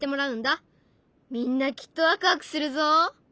みんなきっとワクワクするぞ。